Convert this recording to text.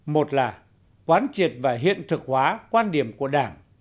một là quán triệt và hiện thực hóa quan điểm của đảng